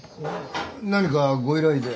何かご依頼で？